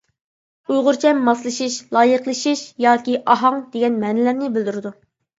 ئۇيغۇرچە «ماسلىشىش، لايىقلىشىش» ياكى «ئاھاڭ» دېگەن مەنىلەرنى بىلدۈرىدۇ.